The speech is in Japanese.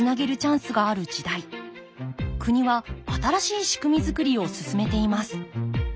国は新しい仕組み作りを進めています。